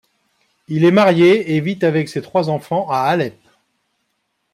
Il est marié et vit avec ses trois enfants à Alep.